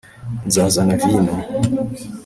nzazana vino